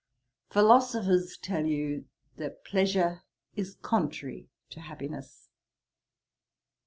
Philosophers tell you, that pleasure is contrary to happiness.